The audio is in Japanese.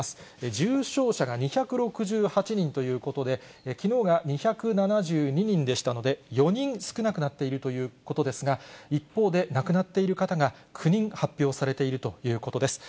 重症者が２６８人ということで、きのうが２７２人でしたので、４人少なくなっているということですが、一方で亡くなっている方が９人発表されているということです。